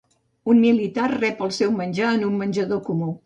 Un militar rep el seu menjar en un menjador comú.